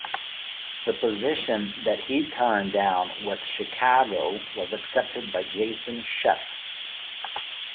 The position that he turned down with Chicago was accepted by Jason Scheff.